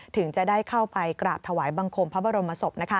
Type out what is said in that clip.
ถึงจะได้เข้าไปกราบถวายบังคมพระบรมศพ